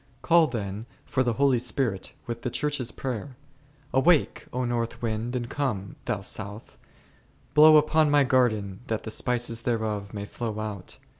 Call then for the Holy Spirit with the Church's prayer, Awake, O north wind, and come, thou south; blow upon my garden, that the spices thereof may flow out.